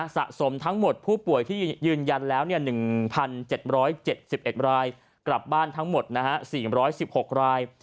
สะสมทั้งหมดผู้ป่วยที่ยืนยันแล้ว๑๗๗๑รายกลับบ้านทั้งหมด๔๑๖ราย